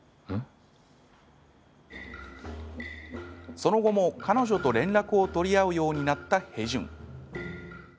その後も彼女と連絡を取り合うようになったヘジュン。